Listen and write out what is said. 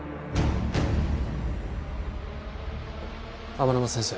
天沼先生